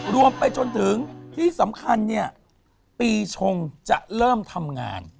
รวมไปจนถึงที่สำคัญเนี่ยปีชงจะเริ่มทำงาน